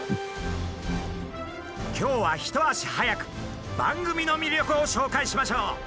今日は一足早く番組の魅力を紹介しましょう！